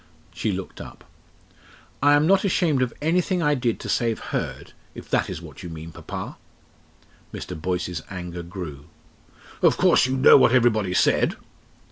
She looked up. "I am not ashamed of anything I did to save Hurd, if that is what you mean, papa." Mr. Boyce's anger grew. "Of course you know what everybody said?"